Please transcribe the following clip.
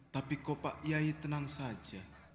tapi kok pak yai tenang saja